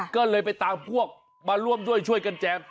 ก็เลยไปตามพวกมาร่วมด้วยช่วยกันแจม